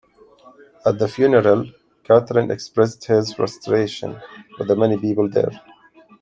At the funeral, Catherine expresses her frustration with the many people there.